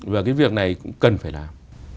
và cái việc này cũng cần phải làm